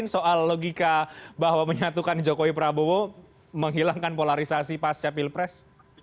soal logika bahwa menyatukan jokowi prabowo menghilangkan polarisasi pasca pilpres